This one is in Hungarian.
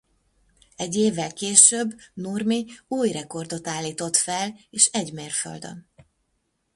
Egy évvel később Nurmi új rekordot állított fel és egy mérföldön.